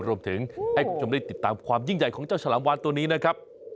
รวมถึงให้คุณผู้ชมได้ติดตามความยิ่งใหญ่ของเจ้าฉลามวานตัวนี้นะครับ